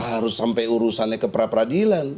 harus sampai urusannya ke pra peradilan